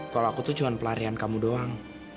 kalau aku tuh cuma pelarian kamu doang